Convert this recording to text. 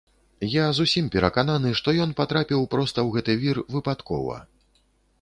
Я зусім перакананы, што ён патрапіў проста ў гэты вір выпадкова.